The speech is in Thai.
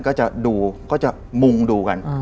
ก็จะดูก็จะมุงดูกัน